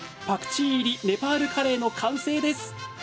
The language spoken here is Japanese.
パクチー入りネパールカレーの完成です！